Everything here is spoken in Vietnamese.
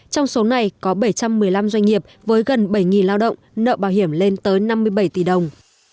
trong số này có bảy trăm một mươi năm doanh nghiệp với gần bảy lao động nợ bảo hiểm lên tới năm mươi bảy tỷ đồng